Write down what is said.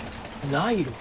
ナイロン。